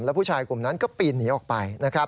แล้วผู้ชายกลุ่มนั้นก็ปีนหนีออกไปนะครับ